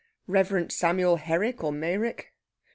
"Reverend Samuel Herrick or Meyrick....